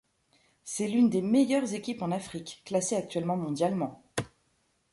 C'est l'une des meilleures équipes en Afrique, classée actuellement mondialement.